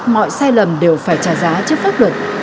mọi sai lầm đều phải trả giá trước pháp luật